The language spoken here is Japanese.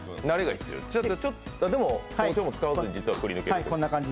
でも包丁も使わずくりぬける。